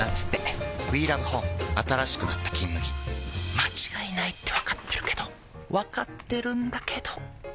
まちがいないってわかっているけどわかっているんだけどん！